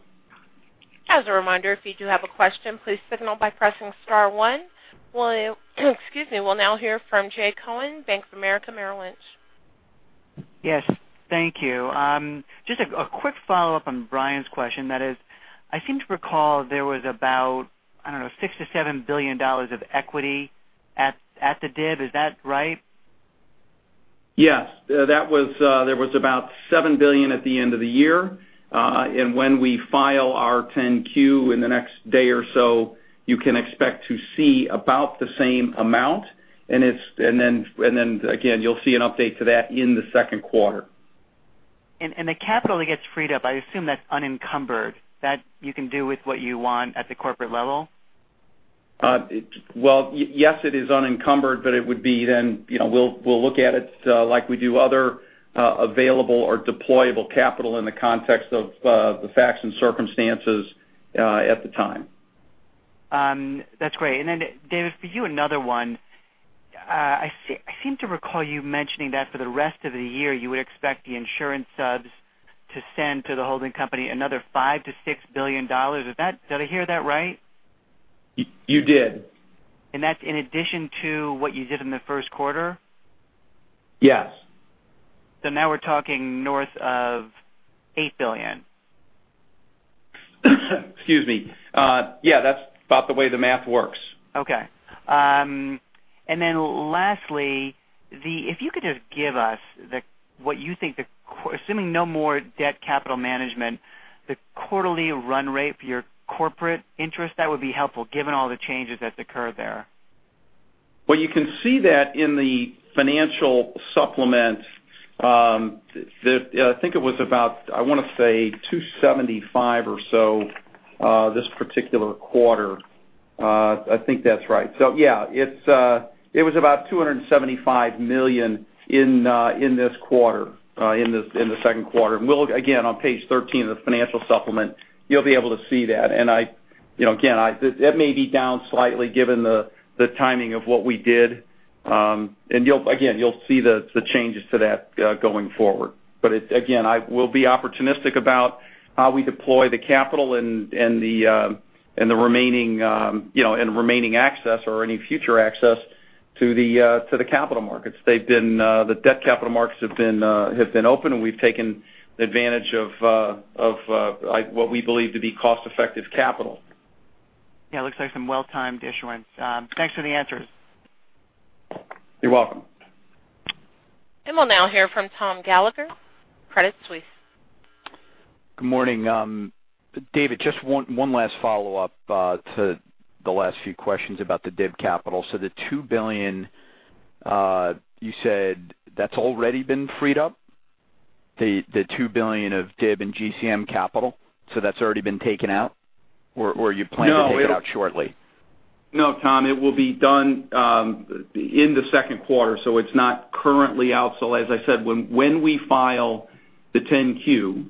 As a reminder, if you do have a question, please signal by pressing star one. Excuse me. We'll now hear from Jay Cohen, Bank of America Merrill Lynch. Yes. Thank you. Just a quick follow-up on Brian's question, that is, I seem to recall there was about $6 billion to $7 billion of equity at the DIB. Is that right? Yes. There was about $7 billion at the end of the year. When we file our 10-Q in the next day or so, you can expect to see about the same amount. Then again, you'll see an update to that in the second quarter. The capital that gets freed up, I assume that's unencumbered, that you can do with what you want at the corporate level? Well, yes, it is unencumbered, but it would be then we'll look at it like we do other available or deployable capital in the context of the facts and circumstances at the time. That's great. Then David, for you, another one. I seem to recall you mentioning that for the rest of the year, you would expect the insurance subs to send to the holding company another $5 billion-$6 billion. Did I hear that right? You did. That's in addition to what you did in the first quarter? Yes. Now we're talking north of $8 billion? Excuse me. Yeah, that's about the way the math works. Okay. Lastly, if you could just give us what you think, assuming no more debt capital management, the quarterly run rate for your corporate interest, that would be helpful given all the changes that's occurred there. Well, you can see that in the Financial Supplement. I think it was about, I want to say 275 or so, this particular quarter. I think that's right. Yeah, it was about $275 million in this quarter, in the second quarter. Again, on page 13 of the Financial Supplement, you'll be able to see that. Again, that may be down slightly given the timing of what we did. Again, you'll see the changes to that going forward. Again, I will be opportunistic about how we deploy the capital and the remaining access or any future access to the capital markets. The debt capital markets have been open, and we've taken advantage of what we believe to be cost-effective capital. Yeah, it looks like some well-timed issuance. Thanks for the answers. You're welcome. We'll now hear from Tom Gallagher, Credit Suisse. Good morning. David, just one last follow-up to the last few questions about the DIB capital. The $2 billion, you said that's already been freed up? The $2 billion of DIB and GCM capital, so that's already been taken out or you plan- No to take it out shortly? No, Tom, it will be done in the second quarter, it's not currently out. As I said, when we file the 10-Q,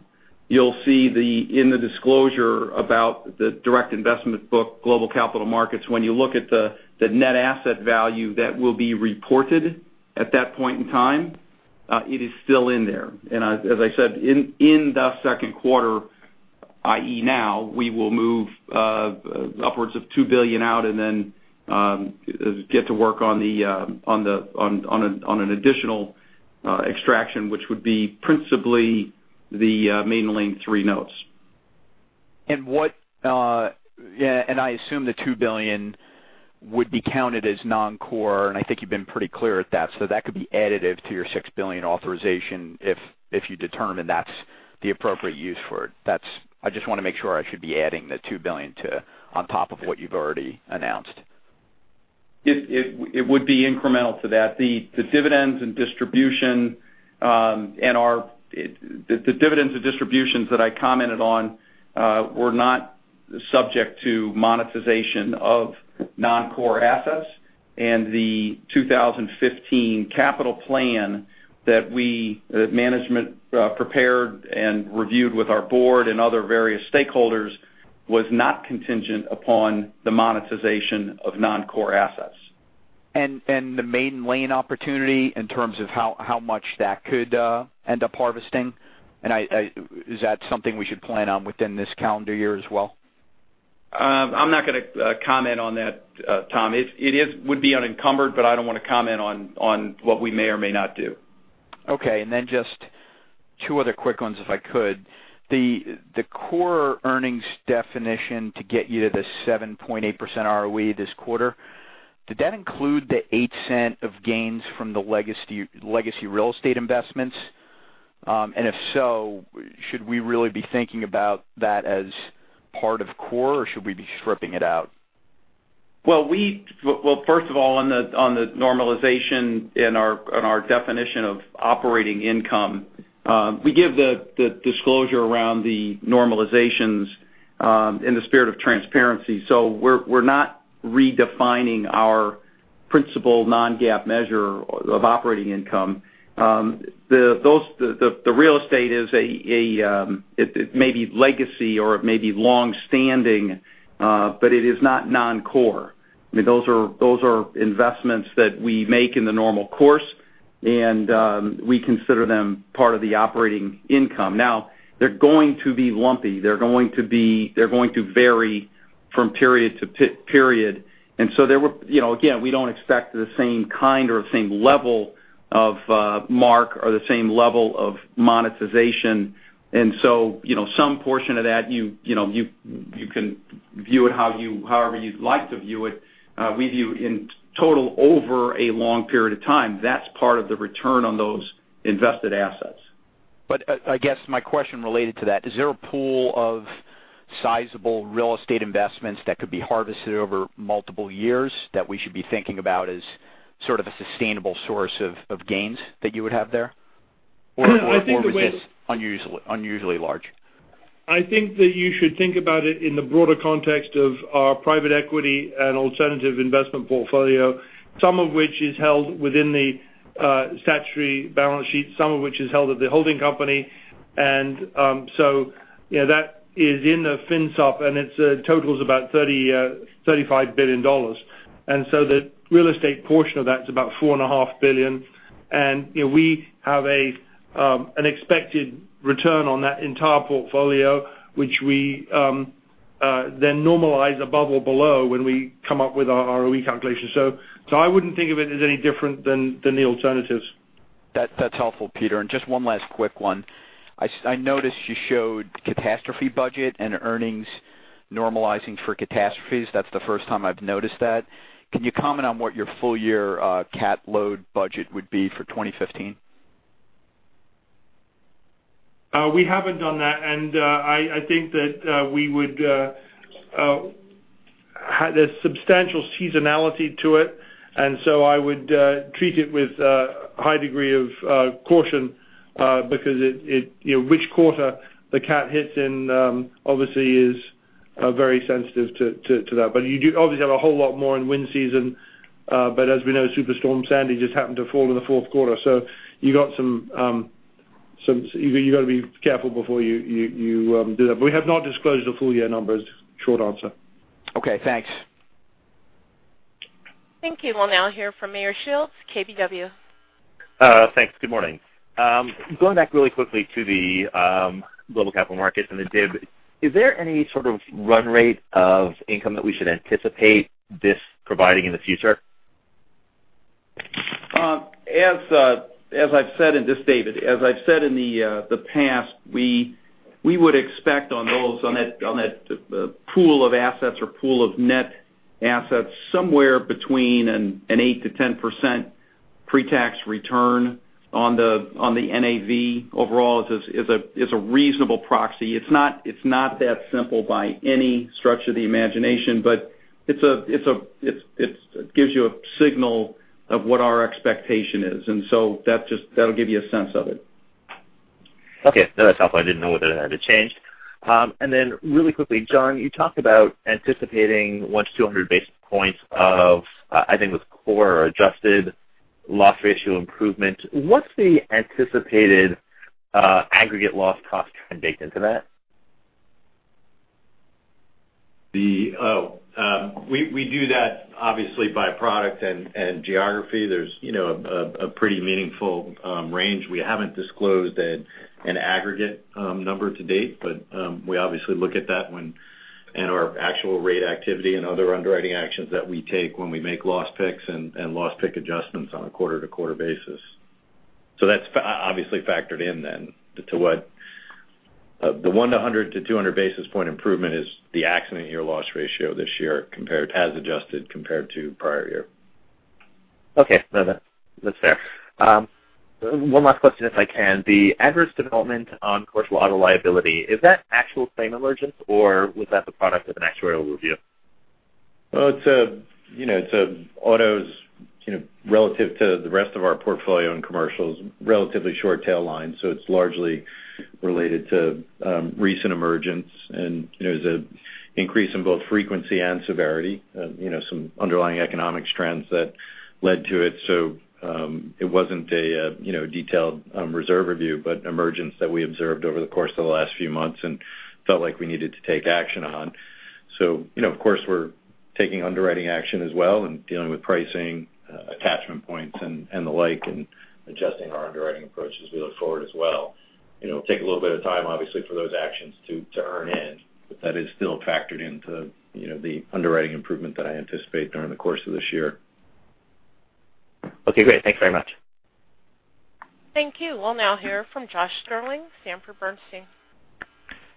you'll see in the disclosure about the Direct Investment Book, Global Capital Markets, when you look at the net asset value that will be reported at that point in time, it is still in there. As I said, in the second quarter, i.e. now, we will move upwards of $2 billion out and then get to work on an additional extraction, which would be principally the Maiden Lane III notes. I assume the $2 billion would be counted as non-core, and I think you've been pretty clear at that. That could be additive to your $6 billion authorization if you determine that's the appropriate use for it. I just want to make sure I should be adding the $2 billion on top of what you've already announced. It would be incremental to that. The dividends and distributions that I commented on were not subject to monetization of non-core assets, the 2015 capital plan that management prepared and reviewed with our board and other various stakeholders was not contingent upon the monetization of non-core assets. The Maiden Lane opportunity in terms of how much that could end up harvesting? Is that something we should plan on within this calendar year as well? I'm not going to comment on that, Tom. It would be unencumbered. I don't want to comment on what we may or may not do. Okay, just two other quick ones, if I could. The core earnings definition to get you to the 7.8% ROE this quarter, did that include the $0.08 of gains from the legacy real estate investments? If so, should we really be thinking about that as part of core, or should we be stripping it out? Well, first of all, on the normalization in our definition of operating income, we give the disclosure around the normalizations in the spirit of transparency. We're not redefining our principal non-GAAP measure of operating income. The real estate it may be legacy or it may be longstanding. It is not non-core. Those are investments that we make in the normal course. We consider them part of the operating income. Now, they're going to be lumpy. They're going to vary from period to period. Again, we don't expect the same kind or same level of mark or the same level of monetization. Some portion of that, you can view it however you'd like to view it. We view in total over a long period of time. That's part of the return on those invested assets. I guess my question related to that, is there a pool of sizable real estate investments that could be harvested over multiple years that we should be thinking about as sort of a sustainable source of gains that you would have there? I think that we Was this unusually large? I think that you should think about it in the broader context of our private equity and alternative investment portfolio, some of which is held within the statutory balance sheet, some of which is held at the holding company. That is in the Financial Supplement, and it totals about $35 billion. The real estate portion of that is about $4.5 billion, and we have an expected return on that entire portfolio, which we then normalize above or below when we come up with our ROE calculation. I wouldn't think of it as any different than the alternatives. That's helpful, Peter. Just one last quick one. I noticed you showed catastrophe budget and earnings normalizing for catastrophes. That's the first time I've noticed that. Can you comment on what your full year cat load budget would be for 2015? We haven't done that, I think that we would have substantial seasonality to it, I would treat it with a high degree of caution because which quarter the cat hits in obviously is very sensitive to that. You do obviously have a whole lot more in wind season. As we know, Superstorm Sandy just happened to fall in the fourth quarter. You've got to be careful before you do that. We have not disclosed the full year numbers, short answer. Okay, thanks. Thank you. We'll now hear from Meyer Shields, KBW. Thanks. Good morning. Going back really quickly to the Global Capital Markets and the DIB, is there any sort of run rate of income that we should anticipate this providing in the future? As I've said, this is David Herzog, as I've said in the past, we would expect on those, on that pool of assets or pool of net assets, somewhere between an 8% to 10% pre-tax return on the NAV overall is a reasonable proxy. It's not that simple by any stretch of the imagination, but it gives you a signal of what our expectation is, that'll give you a sense of it. Okay. No, that's helpful. I didn't know whether that had changed. Then really quickly, John Doyle, you talked about anticipating 100 to 200 basis points of, I think it was core or adjusted loss ratio improvement. What's the anticipated aggregate loss cost trend baked into that? We do that obviously by product and geography. There's a pretty meaningful range. We haven't disclosed an aggregate number to date. We obviously look at that when our actual rate activity and other underwriting actions that we take when we make loss picks and loss pick adjustments on a quarter-to-quarter basis. That's obviously factored in then to what the 100 to 200 basis point improvement is the accident year loss ratio this year as adjusted compared to prior year. Okay. No, that's fair. One last question if I can. The adverse development on commercial auto liability, is that actual claim emergence, or was that the product of an actuarial review? Well, auto's, relative to the rest of our portfolio and Commercial's relatively short tail line, it's largely related to recent emergence and there's an increase in both frequency and severity. Some underlying economic strands that led to it. It wasn't a detailed reserve review, but emergence that we observed over the course of the last few months and felt like we needed to take action on. Of course, we're taking underwriting action as well and dealing with pricing, attachment points, and the like, and adjusting our underwriting approach as we look forward as well. It'll take a little bit of time, obviously, for those actions to earn in, but that is still factored into the underwriting improvement that I anticipate during the course of this year. Okay, great. Thank you very much. Thank you. We'll now hear from Josh Stirling, Sanford C. Bernstein.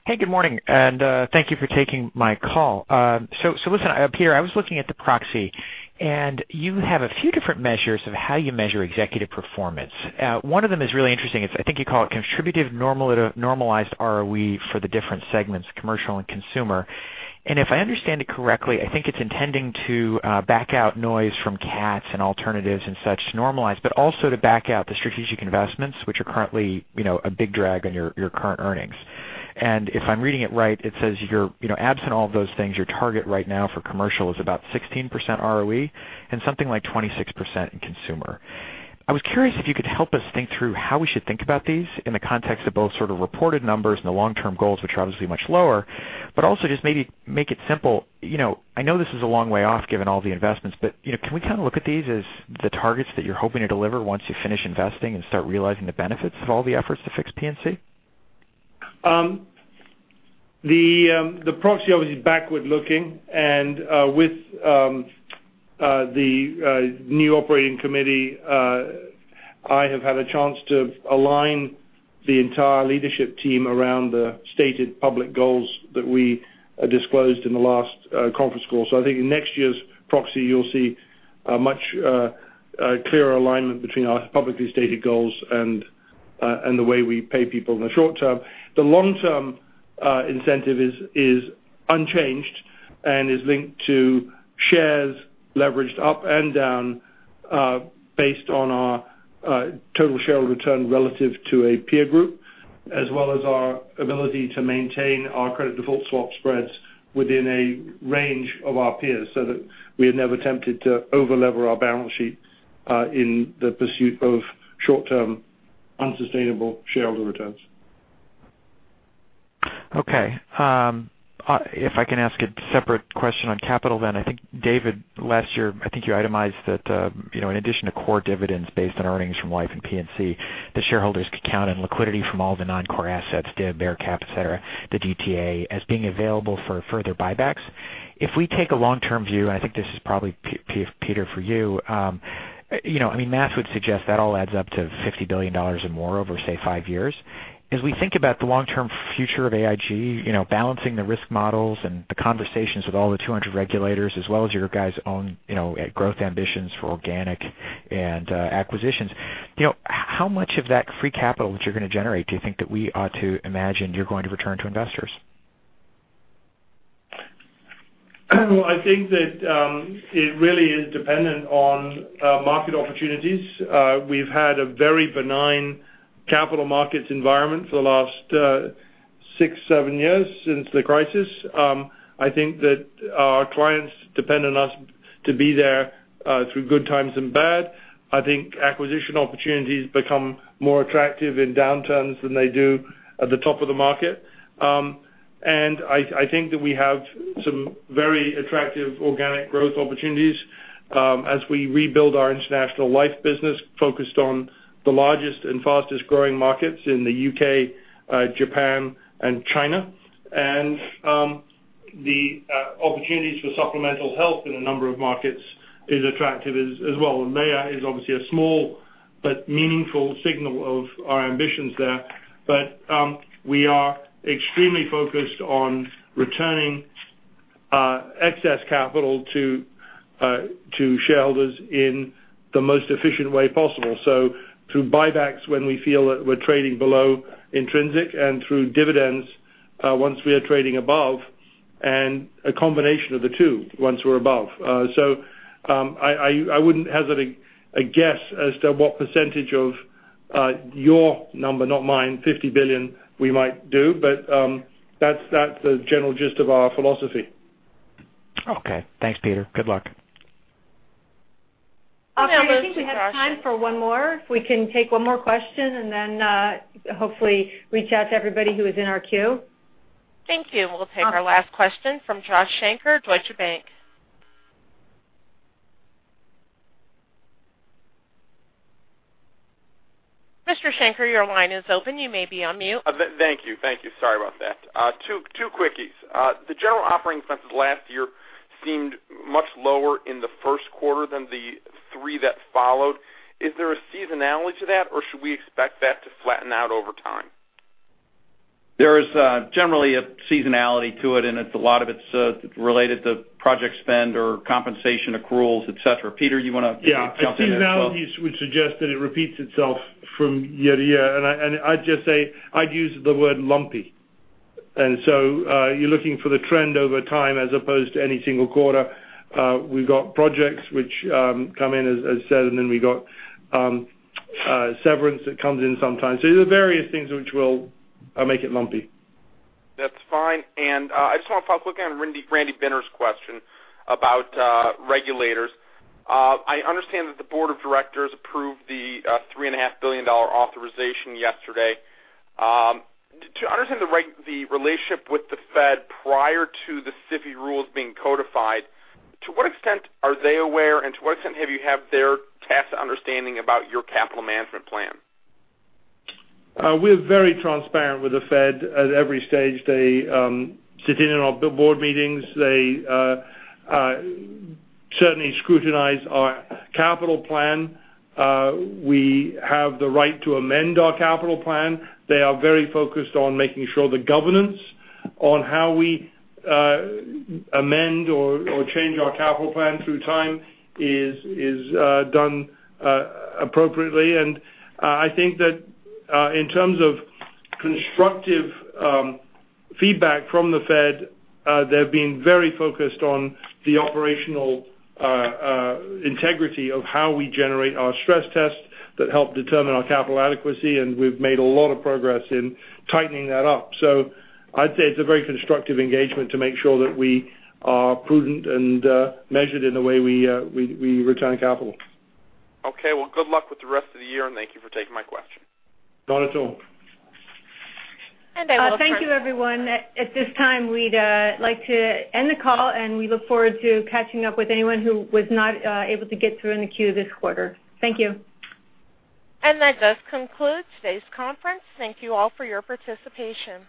Good morning, and thank you for taking my call. Listen, up here, I was looking at the proxy, and you have a few different measures of how you measure executive performance. One of them is really interesting. I think you call it contributive normalized ROE for the different segments, Commercial and Consumer. If I understand it correctly, I think it's intending to back out noise from CATs and alternatives and such to normalize, but also to back out the strategic investments which are currently a big drag on your current earnings. If I'm reading it right, it says absent all of those things, your target right now for Commercial is about 16% ROE and something like 26% in Consumer. I was curious if you could help us think through how we should think about these in the context of both sort of reported numbers and the long-term goals, which are obviously much lower, but also just maybe make it simple. I know this is a long way off, given all the investments, but can we look at these as the targets that you're hoping to deliver once you finish investing and start realizing the benefits of all the efforts to fix P&C? The proxy obviously is backward-looking. With the new operating committee, I have had a chance to align the entire leadership team around the stated public goals that we disclosed in the last conference call. I think in next year's proxy, you'll see a much clearer alignment between our publicly stated goals and the way we pay people in the short term. The long-term incentive is unchanged and is linked to shares leveraged up and down based on our total shareholder return relative to a peer group, as well as our ability to maintain our credit default swap spreads within a range of our peers so that we are never tempted to over-lever our balance sheet in the pursuit of short-term, unsustainable shareholder returns. Okay. If I can ask a separate question on capital, I think, David, last year, I think you itemized that in addition to core dividends based on earnings from Life and P&C. The shareholders could count on liquidity from all the non-core assets, div, AerCap, et cetera, the DTA, as being available for further buybacks. If we take a long-term view, I think this is probably, Peter, for you. I mean, math would suggest that all adds up to $50 billion or more over, say, five years. As we think about the long-term future of AIG, balancing the risk models and the conversations with all the 200 regulators, as well as your guys' own growth ambitions for organic and acquisitions, how much of that free capital that you're going to generate do you think that we ought to imagine you're going to return to investors? Well, I think that it really is dependent on market opportunities. We've had a very benign capital markets environment for the last six, seven years since the crisis. I think that our clients depend on us to be there through good times and bad. I think acquisition opportunities become more attractive in downturns than they do at the top of the market. I think that we have some very attractive organic growth opportunities as we rebuild our international Life business focused on the largest and fastest-growing markets in the U.K., Japan, and China. The opportunities for supplemental health in a number of markets is attractive as well. Maya is obviously a small but meaningful signal of our ambitions there. We are extremely focused on returning excess capital to shareholders in the most efficient way possible. Through buybacks, when we feel that we're trading below intrinsic, and through dividends once we are trading above, and a combination of the two once we're above. I wouldn't hesitate a guess as to what percentage of your number, not mine, $50 billion we might do, but that's the general gist of our philosophy. Okay. Thanks Peter. Good luck. I think we have time for one more. If we can take one more question and then hopefully reach out to everybody who is in our queue. Thank you. We'll take our last question from Joshua Shanker, Deutsche Bank. Mr. Shanker, your line is open. You may be on mute. Thank you. Sorry about that. Two quickies. The general operating expenses last year seemed much lower in the first quarter than the three that followed. Is there a seasonality to that, or should we expect that to flatten out over time? There is generally a seasonality to it, a lot of it's related to project spend or compensation accruals, et cetera. Peter, you want to jump in as well? Yeah. A seasonality would suggest that it repeats itself from year to year. I'd just say, I'd use the word lumpy. You're looking for the trend over time as opposed to any single quarter. We've got projects which come in as said, we got severance that comes in sometimes. There's various things which will make it lumpy. That's fine. I just want to follow up quickly on Randy Binner's question about regulators. I understand that the board of directors approved the $3.5 billion authorization yesterday. To understand the relationship with the Fed prior to the SIFI rules being codified, to what extent are they aware and to what extent have you had their tacit understanding about your capital management plan? We're very transparent with the Fed at every stage. They sit in on our board meetings. They certainly scrutinize our capital plan. We have the right to amend our capital plan. They are very focused on making sure the governance on how we amend or change our capital plan through time is done appropriately. I think that in terms of constructive feedback from the Fed, they've been very focused on the operational integrity of how we generate our stress tests that help determine our capital adequacy, and we've made a lot of progress in tightening that up. I'd say it's a very constructive engagement to make sure that we are prudent and measured in the way we return capital. Okay. Well, good luck with the rest of the year, and thank you for taking my question. Not at all. Thank you everyone. At this time, we'd like to end the call, and we look forward to catching up with anyone who was not able to get through in the queue this quarter. Thank you. That does conclude today's conference. Thank you all for your participation.